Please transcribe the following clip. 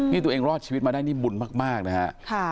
นี่ตัวเองรอดชีวิตมาได้นี่บุญมากนะฮะ